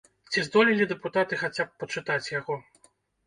Ці здолелі дэпутаты хаця б пачытаць яго?